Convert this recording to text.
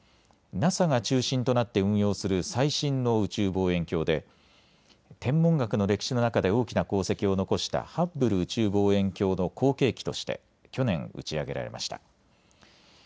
ＮＡＳＡが中心となって運用する最新の宇宙望遠鏡で、天文学の歴史の中で大きな功績を残したハッブル宇宙望遠鏡の後継機として去年、打ち上げられました。